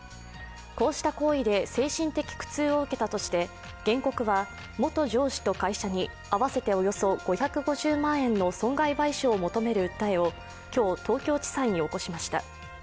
こうした行為で精神的苦痛を受けたとして原告は元上司と会社に合わせておよそ５５０万円の損害賠償を求める訴えを今日、東京地裁に起こしました。